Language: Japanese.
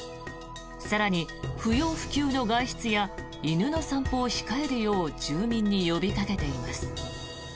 更に、不要不急の外出や犬の散歩を控えるよう住民に呼びかけています。